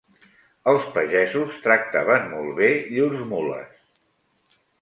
Els pagesos tractaven molt bé llurs mules